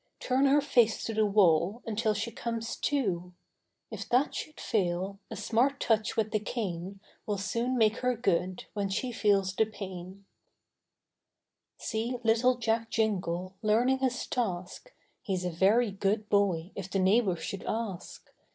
Turn her face to the wall, Until she comes to: If that should fail, A smart touch with the cane, Will soon make her good, When she feels the pain. See little Jack Jingle, Learning his task, Heâs a very good boy, If the neighbours should ask.